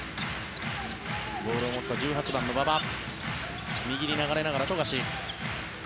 ボールを持った１８番の馬場。右に流れながら富樫。